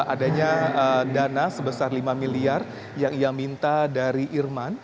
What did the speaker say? adanya dana sebesar lima miliar yang ia minta dari irman